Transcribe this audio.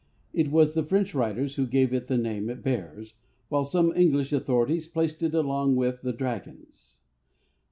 It was the French writers who gave it the name it bears, while some English authorities placed it along with the dragons.